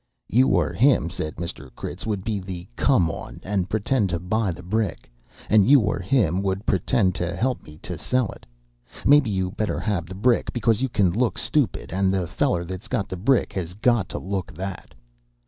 "You or him," said Mr. Critz, "would be the 'come on,' and pretend to buy the brick. And you or him would pretend to help me to sell it. Maybe you better have the brick, because you can look stupid, and the feller that's got the brick has got to look that."